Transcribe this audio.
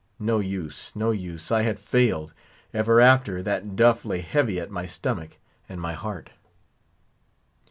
No use, no use; I had failed; ever after, that duff lay heavy at my stomach and my heart.